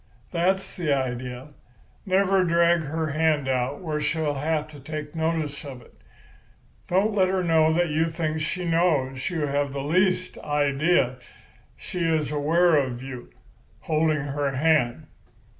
That's the idea. Never drag her hand out where she'll have to take notice of it. Don't let her know that you think she knows you have the least idea she is aware you are holding her hand.